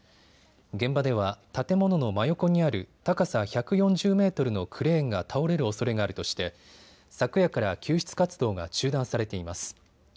現場では建物の真横にある高さ１４０メートルのクレーンが倒れるおそれがあるとして昨夜から救出活動が中断されています。